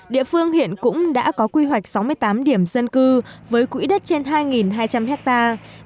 địa phương hiện cũng đã có quy hoạch sáu mươi tám điểm dân cư với quỹ đất trên hai hai trăm linh hectare